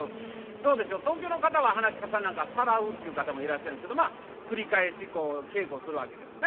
どうでしょう東京の方は噺家さんなんかは「さらう」って言う方もいらっしゃるんですけどまあ繰り返しこう稽古するわけですね。